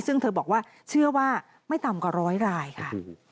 ซึ่งเธอบอกว่าเชื่อว่าไม่ต่ำกว่าร้อยรายค่ะ